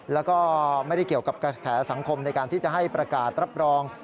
แล้วก็ไม่ได้เกี่ยวกับกระแสสังคมในการที่จะให้ประกาศรับรอง